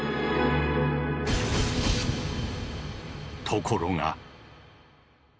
ところが。